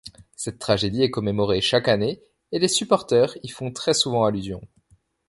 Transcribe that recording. Cette tragédie est commémorée chaque année et les supporteurs y font très souvent allusion.